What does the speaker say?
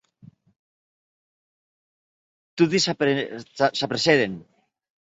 Toti s’apressèren.